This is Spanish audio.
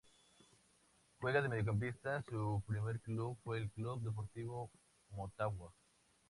Juega de mediocampista, su primer equipo fue el Club Deportivo Motagua.